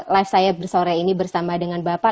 live saya sore ini bersama dengan bapak